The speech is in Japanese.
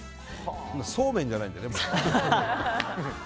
そうめんじゃないんでね。